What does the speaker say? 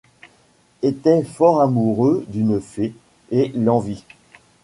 Était fort amoureux d’une fée, et l’envie